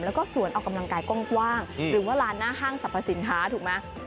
แล้วก็สวนออกกำลังกายกว้างหรือว่าลานหน้าห้างสรรพสินค้าถูกไหม